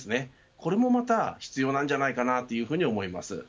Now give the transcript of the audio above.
これもまた必要なんじゃないかなというふうに思います。